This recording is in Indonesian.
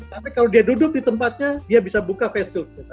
tapi kalau dia duduk di tempatnya dia bisa buka face shield